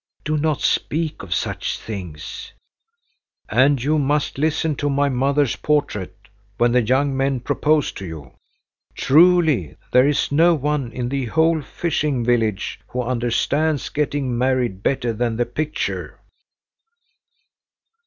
"Do not speak of such things." "And you must listen to my mother's portrait when the young men propose to you. Truly there is no one in the whole fishing village who understands getting married better than that picture."